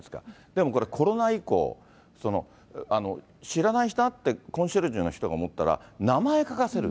でもこれ、コロナ以降、知らないなってコンシェルジュの人が思ったら、名前書かせる。